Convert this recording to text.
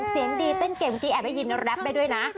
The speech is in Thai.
เสียงดีเต้นเกมกี้แอบให้ยินแร็ปได้ด้วยนะ